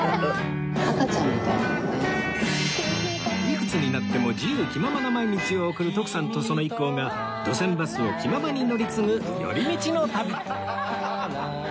いくつになっても自由気ままな毎日を送る徳さんとその一行が路線バスを気ままに乗り継ぐ寄り道の旅